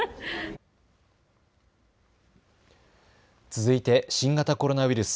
続いて新型コロナウイルス。